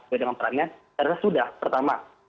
sesuai dengan perannya saya rasa sudah pertama